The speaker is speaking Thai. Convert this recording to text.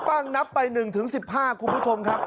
ปั้งนับไป๑ถึง๑๕คุณผู้ชมครับ